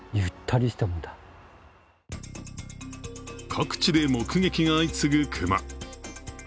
各地で目撃が相次ぐ熊。